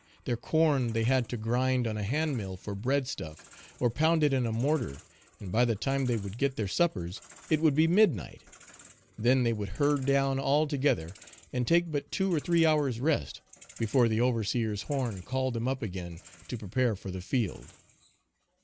Their corn they had to grind on a hand mill for bread stuff, or pound it in a mortar; and by the time they would get their suppers it would be midnight; then they would herd down all together and take but two or three hours rest, before the overseer's horn called them up again to prepare for the field.